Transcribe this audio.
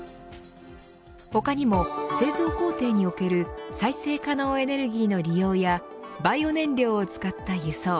他にも、製造工程における再生可能エネルギーの利用やバイオ燃料を使った輸送。